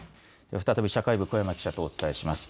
再び社会部小山記者とお伝えします。